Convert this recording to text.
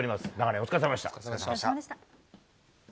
お疲れさまでした。